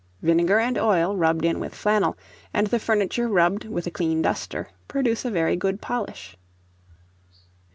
Vinegar and oil, rubbed in with flannel, and the furniture rubbed with a clean duster, produce a very good polish.